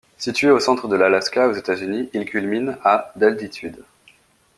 Situé au centre de l'Alaska, aux États-Unis, il culmine à d'altitude.